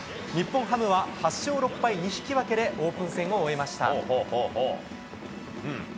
日本ハムは８勝６敗２引き分けでオープン戦を終えました。